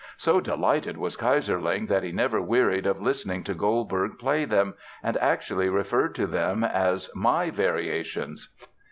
So delighted was Keyserling that he never wearied of listening to Goldberg play them and actually referred to them as "my Variations."